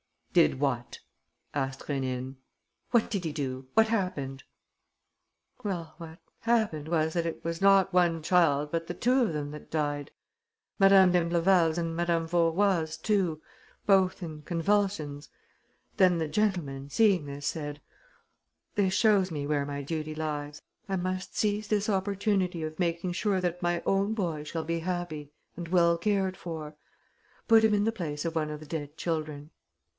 "Did what?" asked Rénine. "What did he do? What happened?" "Well, what happened was that it was not one child but the two of them that died: Madame d'Imbleval's and Madame Vaurois' too, both in convulsions. Then the gentleman, seeing this, said, 'This shows me where my duty lies. I must seize this opportunity of making sure that my own boy shall be happy and well cared for. Put him in the place of one of the dead children.'